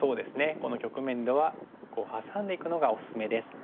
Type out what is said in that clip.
この局面ではこうハサんでいくのがおすすめです。